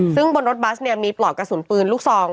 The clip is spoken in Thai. ซึ่งบนรถบัสเนี่ยมีปลอกกระสุนปืนลูกซอง